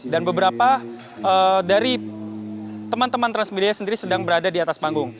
dan beberapa dari teman teman transmedia sendiri sedang berada di atas panggung